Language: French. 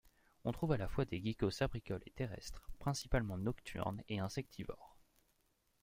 On trouve à la fois des geckos arboricoles et terrestres, principalement nocturnes et insectivores.